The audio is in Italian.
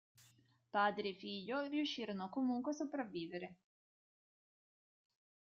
Padre e figlio riuscirono comunque a sopravvivere.